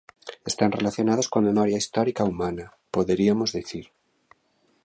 Están relacionados coa memoria histórica humana, poderiamos dicir.